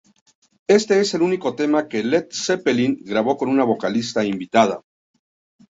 Este es el único tema que Led Zeppelin grabó con una vocalista invitada.